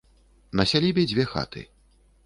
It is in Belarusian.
На сялібе дзве хаты.